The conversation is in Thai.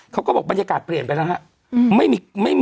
เขาก็บอกบรรยากาศเปลี่ยนไปแล้วครับ